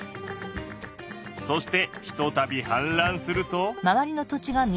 そしてひとたびはんらんすると。